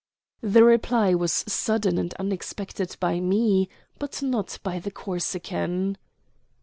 The reply was sudden and unexpected by me, but not by the Corsican.